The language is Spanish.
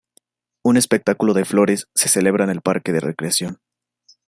Un espectáculo de flores se celebra en el parque de recreación.